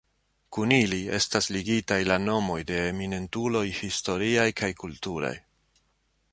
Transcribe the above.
Kun ili estas ligitaj la nomoj de eminentuloj historiaj kaj kulturaj.